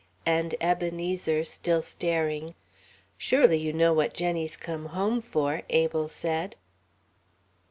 And, Ebenezer still staring, "Surely you know what Jenny's come home for?" Abel said.